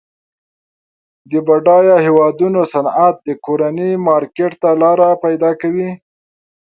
د بډایه هیوادونو صنعت د کورني مارکیټ ته لار پیداکوي.